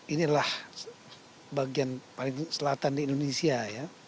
inilah bagian paling selatan di indonesia ya